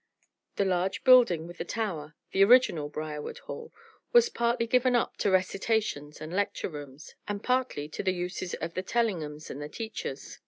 The large building with the tower the original Briarwood Hall was partly given up to recitations and lecture rooms and partly to the uses of the Tellinghams and the teachers.